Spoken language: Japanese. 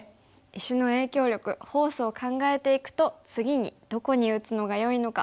石の影響力フォースを考えていくと次にどこに打つのがよいのか見えてきますね。